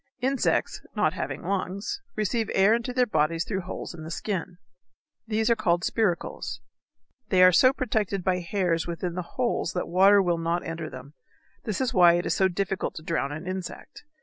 Insects, not having lungs, receive air into their bodies through holes in the skin. These are called spiracles. They are so protected by hairs within the holes that water will not enter them. This is why it is so difficult to drown an insect.